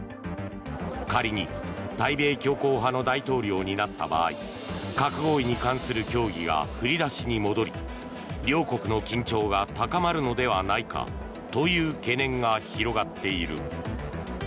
仮に対米強硬派の大統領になった場合核合意に関する協議が振り出しに戻り両国の緊張が高まるのではないかという懸念が広がっている。